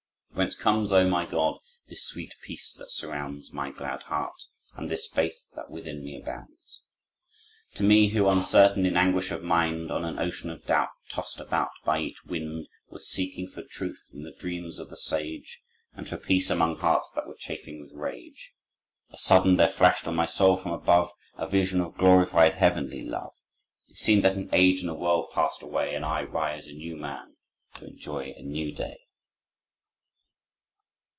"Whence comes, O my God, this sweet peace that surrounds My glad heart? And this faith that within me abounds? To me who, uncertain, in anguish of mind, On an ocean of doubt tossed about by each wind, Was seeking for truth in the dreams of the sage, And for peace, among hearts that were chafing with rage. A sudden—there flashed on my soul from above A vision of glorified heavenly love; It seemed that an age and a world passed away And I rise, a new man, to enjoy a new day."